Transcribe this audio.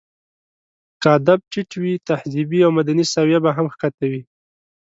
که ادب ټيت وي، تهذيبي او مدني سويه به هم ښکته وي.